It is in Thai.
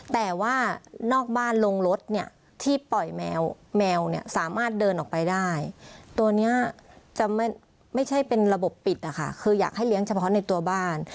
แต่ว่านอกบ้านลงรถเนี่ยที่ปล่อยแมวแมวเนี่ยสามารถเดินออกไปได้ตัวนี้จะไม่ใช่เป็นระบบปิดอะค่ะคืออยากให้เลี้ยงเฉพาะในตัวบ้าน